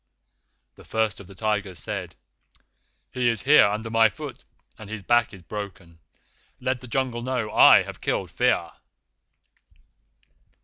"The First of the Tigers said: 'He is here under my foot, and his back is broken. Let the Jungle know I have killed Fear.